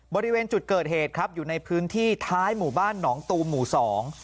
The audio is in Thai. บริเวณจุดเกิดเหตุครับอยู่ในพื้นที่ท้ายหมู่บ้านหนองตูมหมู่สอง